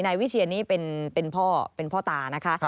นายวิเชียนนี่เป็นพ่อเป็นพ่อตานะคะ